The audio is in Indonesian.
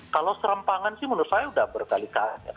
kalau serampangan sih menurut saya udah berkali kali